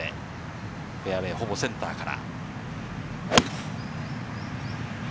フェアウエー、ほぼセンターから。